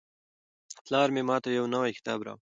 پلار مې ماته یو نوی کتاب راوړ.